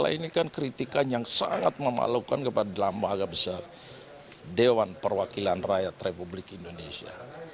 ini kan kritikan yang sangat memalukan kepada lembaga besar dewan perwakilan rakyat republik indonesia